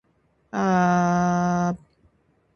Baginda dipersilakan bersemayam di atas ciu keemasan